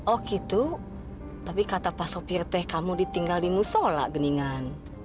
oh gitu tapi kata pak sopir teh kamu ditinggal di musola geningan